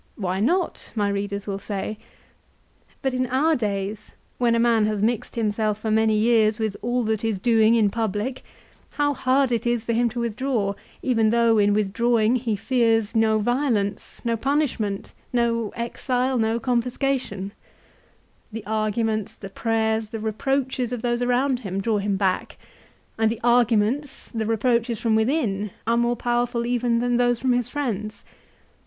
Why not ? my readers will say. But in our days, when a man has mixed himself for many years with all that is doing in public, how hard it is for him to withdraw, even though in withdrawing he fears no violence, no punishment, no exile, no confisca THE WAR BETWEEN CAESAR AND POMPEY. 131 tion. The arguments, the prayers, the reproaches of those around him draw him back; and the arguments, the reproaches from within are more powerful even than those from his friends.